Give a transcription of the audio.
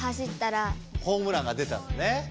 ホームランが出たんだね。